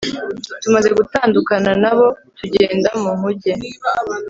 tumaze gutandukana na bo tugenda mu nkuge